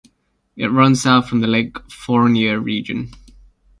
It runs south from the Lake Fournier region.